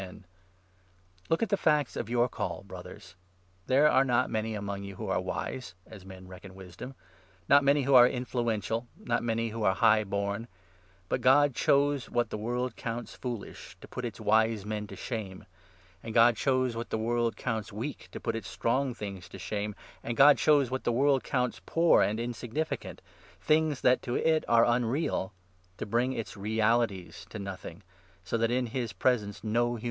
'weakness1 Look at the facts of your Call, Brothers. There 26 «nd are not many among you who are wise, as men 'strength.' reckon wisdom, not many who are influential, not many who are high born ; but God chose what the world 27 counts foolish to put its wise men to shame, and God chose what the world counts weak to put its strong things to shame, and God chose what the world counts poor and insignificant — 28 things that to it are unreal — to bring its 'realities' to nothing, so that in his presence no human being should boast.